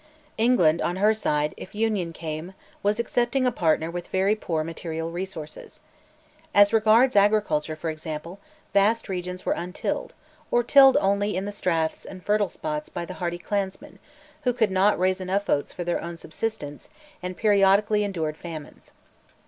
England, on her side, if Union came, was accepting a partner with very poor material resources. As regards agriculture, for example, vast regions were untilled, or tilled only in the straths and fertile spots by the hardy clansmen, who could not raise oats enough for their own subsistence, and periodically endured famines.